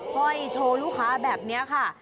ห้อยโชว์ลูกค้าแบบนี้ค่ะ